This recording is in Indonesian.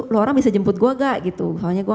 lo orang bisa jemput gue gak gitu soalnya gue